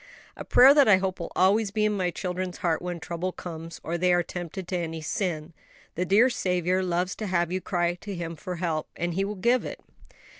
'" "A prayer that I hope will always be in my children's hearts when trouble comes, or they are tempted to any sin. The dear Saviour loves to have you cry to Him for help, and He will give it."